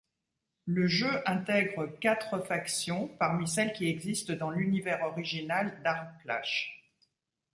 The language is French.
Le jeu intègre quatre factions parmi celles qui existent dans l’univers original d’Aarklash.